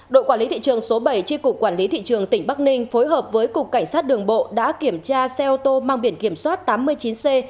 đội quản lý thị trường số bảy chi cục quản lý thị trường tỉnh bắc ninh phối hợp với cục cảnh sát đường bộ đã kiểm tra xe ô tô mang biển kiểm soát tám mươi chín c một mươi hai nghìn bốn trăm tám mươi sáu